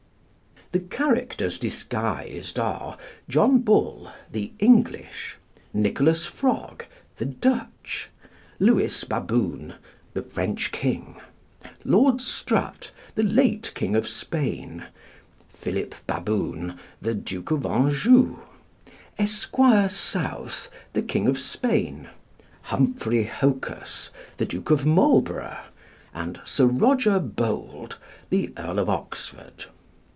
The characters disguised are: "John Bull," the English; "Nicholas Frog," the Dutch; "Lewis Baboon," the French king; "Lord Strutt," the late King of Spain; "Philip Baboon," the Duke of Anjou; "Esquire South," the King of Spain; "Humphrey Hocus," the Duke of Marlborough; and "Sir Roger Bold," the Earl of Oxford.